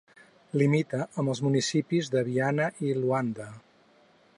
Limita amb els municipis de Viana i Luanda.